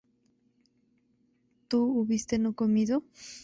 ¿tú hubiste no comido?